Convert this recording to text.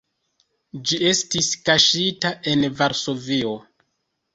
Ĝi estis kaŝita en Varsovio.